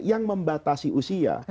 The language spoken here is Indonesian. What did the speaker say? yang membatasi usia